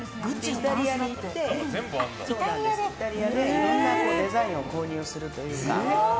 イタリアに行ってイタリアで、いろいろなデザインを購入するというか。